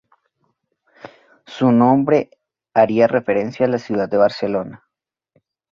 Su nombre haría referencia a la ciudad de Barcelona.